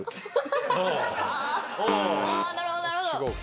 なるほどなるほど。